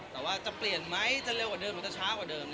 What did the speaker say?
แต่ว่าจะเปลี่ยนไหมจะเร็วกว่าเดิมหรือจะช้ากว่าเดิม